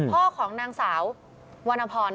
พ่อของนางสาววรรณพร